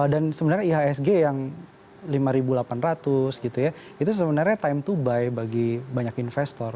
dan sebenarnya ihsg yang lima delapan ratus gitu ya itu sebenarnya time to buy bagi banyak investor